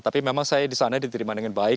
tapi memang saya di sana diterima dengan baik